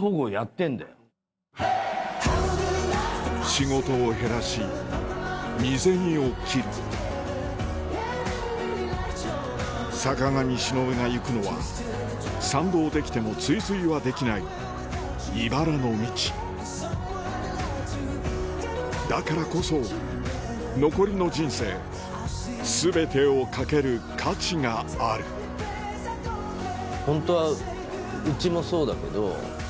仕事を減らし身銭を切る坂上忍が行くのは賛同できても追随はできないいばらの道だからこそ残りの人生全てを懸ける価値があるねぇ。